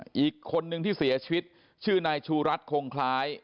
อีกคนนึงที่เสียชีวิตชื่อนายชูรัฐคงคล้าย